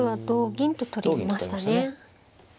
同銀と取りましたね。